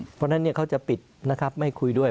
เพราะฉะนั้นเขาจะปิดนะครับไม่คุยด้วย